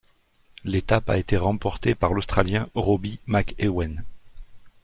L'étape a été remportée par l'australien Robbie McEwen.